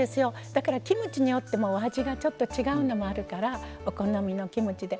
だから、キムチによっては味が違うのもあるからお好みのキムチで。